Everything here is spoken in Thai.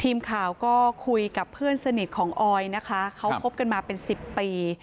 ทีมข่าวก็คุยกับเพื่อนสนิทของออยนะคะเขาคบกันมาเป็นสิบปี